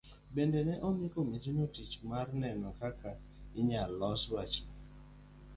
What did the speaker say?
Bende ne omi komitino tich mar neno kaka inyalo los wachno?